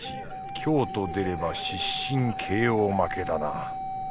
凶と出れば失神ＫＯ負けだな。